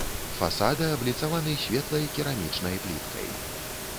Фасады абліцаваны светлай керамічнай пліткай.